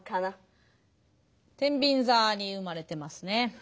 てんびん座に生まれてますね。